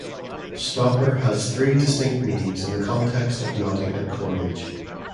Stopper has three distinct meanings in the context of knotting and cordage.